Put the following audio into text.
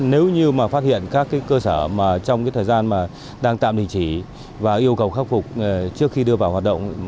nếu như mà phát hiện các cơ sở trong thời gian đang tạm định chỉ và yêu cầu khắc phục trước khi đưa vào hoạt động